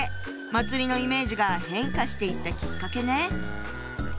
祭のイメージが変化していったきっかけね。